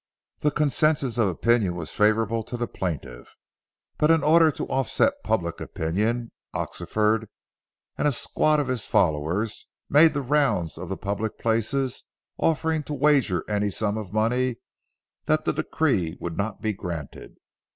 The consensus of opinion was favorable to the plaintiff. But in order to offset public opinion, Oxenford and a squad of followers made the rounds of the public places, offering to wager any sum of money that the decree would not be granted.